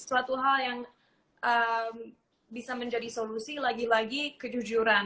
suatu hal yang bisa menjadi solusi lagi lagi kejujuran